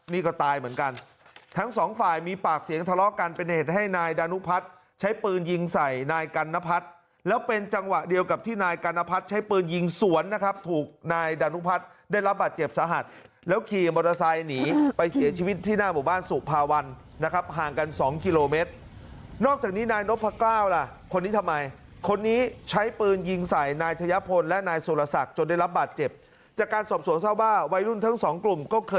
นะครับนี่ก็ตายเหมือนกันทั้งสองฝ่ายมีปากเสียงทะเลาะกันเป็นเหตุให้นายดานุพัฒน์ใช้ปืนยิงใส่นายกันนพัฒน์แล้วเป็นจังหวะเดียวกับที่นายกันนพัฒน์ใช้ปืนยิงสวนนะครับถูกนายดานุพัฒน์ได้รับบาดเจ็บสาหัสแล้วขี่มอเตอร์ไซน์หนีไปเสียชีวิตที่หน้าหมู่บ้านสุภาวันนะครับห่างกันสองกิโลเม